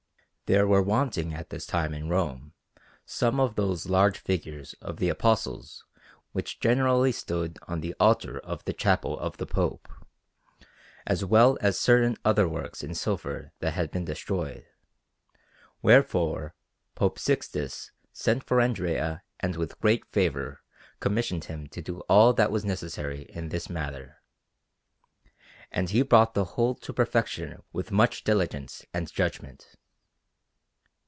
There were wanting at this time in Rome some of those large figures of the Apostles which generally stood on the altar of the Chapel of the Pope, as well as certain other works in silver that had been destroyed; wherefore Pope Sixtus sent for Andrea and with great favour commissioned him to do all that was necessary in this matter, and he brought the whole to perfection with much diligence and judgment.